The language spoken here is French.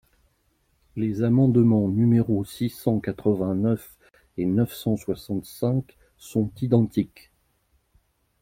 Les amendements numéros six cent quatre-vingt-neuf et neuf cent soixante-cinq sont identiques.